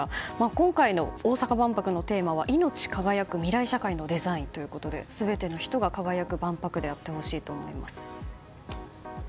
今回の大阪万博のテーマは命輝く未来社会のデザインということで全ての人が輝く万博であってほしいと思います。